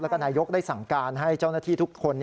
แล้วก็นายกได้สั่งการให้เจ้าหน้าที่ทุกคน